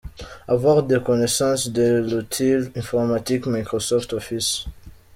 Avoir des connaissances de l’outil informatique Microsoft Office.